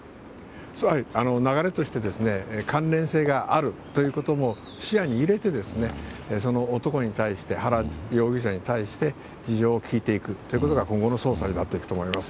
流れとしてですね、関連性があるということも視野に入れてですね、その男に対して、はら容疑者に対して、事情を聴いていくということが、今後の捜査になっていくと思います。